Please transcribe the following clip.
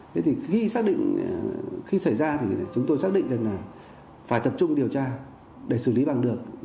thế thì khi xảy ra thì chúng tôi xác định rằng là phải tập trung điều tra để xử lý bằng được